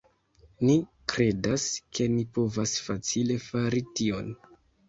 Ni kredas, ke ni povas facile fari tion